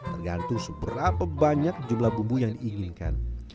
tergantung seberapa banyak jumlah bumbu yang diinginkan